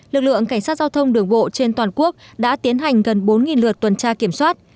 lực lượng cảnh sát giao thông đường bộ trên toàn quốc đã tiến hành gần bốn lượt tuần tra kiểm soát